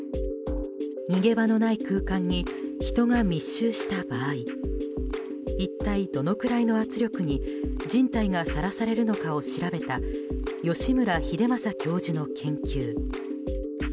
逃げ場のない空間に人が密集した場合一体どのくらいの圧力に人体がさらされるのかを調べた吉村英祐教授の研究。